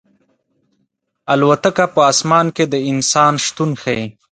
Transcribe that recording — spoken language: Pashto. الوتکه په اسمان کې د انسان شتون ښيي.